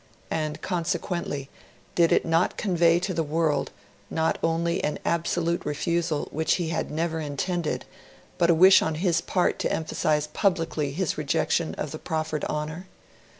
And consequently, did it not convey to the world, not only an absolute refusal which he had never intended, but a wish on his part to emphasise publicly his rejection of the proffered honour?